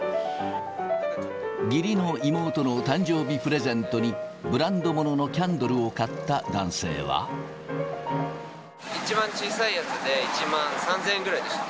義理の妹の誕生日プレゼントにブランド物のキャンドルを買った男一番小さいやつで１万３０００円ぐらいでした。